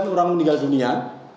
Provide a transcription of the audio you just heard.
sembilan orang meninggal dunia